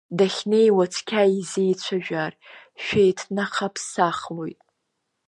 Дахьнеиуа цқьа изеицәажәар шәеиҭнаҳаԥсахлоит.